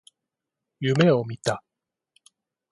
夢を見た。